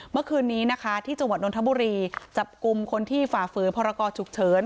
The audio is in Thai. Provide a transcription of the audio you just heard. เมื่อคืนนี้นะคะที่จังหวัดนทบุรีจับกลุ่มคนที่ฝ่าฝืนพรกรฉุกเฉิน